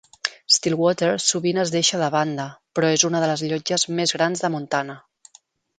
Stillwater sovint es deixa de banda, però és una de les llotges més grans de Montana.